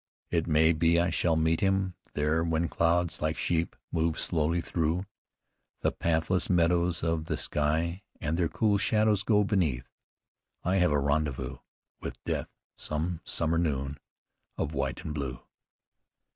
It may be I shall meet him there When clouds, like sheep, move slowly through The pathless meadows of the sky And their cool shadows go beneath, I have a rendezvous with Death Some summer noon of white and blue."